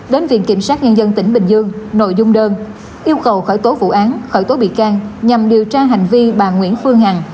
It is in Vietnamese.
đến viện kiểm sát nhân dân tỉnh bình dương nội dung đơn yêu cầu khởi tố vụ án khởi tố bị can nhằm điều tra hành vi bà nguyễn phương hằng